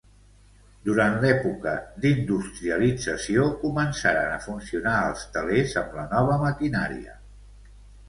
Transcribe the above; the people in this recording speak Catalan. Durant l'època d'industrialització començaren a funcionar els telers amb la nova maquinària.